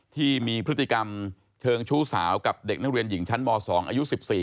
ที่มีพฤติกรรมเชิงชู้สาวกับเด็กนักเรียนหญิงชั้นม๒อายุ๑๔